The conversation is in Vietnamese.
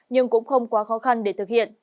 nhưng cũng không quá khó khăn để tham gia